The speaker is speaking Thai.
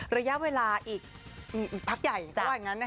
ระยะเวลาอีกอีกอีกปั๊กใหญ่ก็แบบอย่างงั้นนะคะ